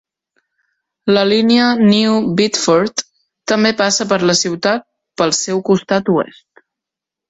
La línia New Bedford també passa per la ciutat pel seu costat oest.